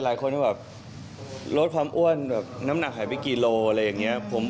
หลายคนก็แบบลดความอ้วนแบบน้ำหนักหายไปกี่โลอะไรอย่างนี้